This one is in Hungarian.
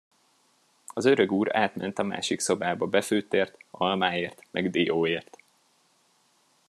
Az öregúr átment a másik szobába befőttért, almáért meg dióért.